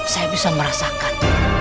saya bisa merasakan